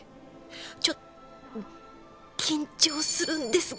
ちょっ緊張するんですが！